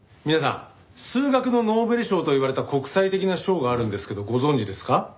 皆さん数学のノーベル賞と言われた国際的な賞があるんですけどご存じですか？